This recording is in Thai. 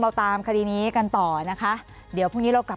เราตามคดีนี้กันต่อนะคะ